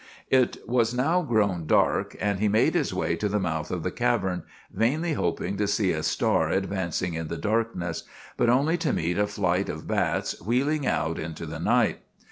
It was now grown quite dark, and he made his way to the mouth of the cavern, vainly hoping to see a star advancing in the darkness, but only to meet a flight of bats wheeling out into the night.